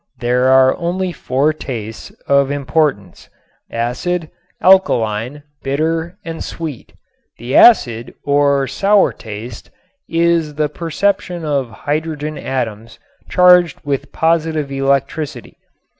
There are only four tastes of importance, acid, alkaline, bitter and sweet. The acid, or sour taste, is the perception of hydrogen atoms charged with positive electricity.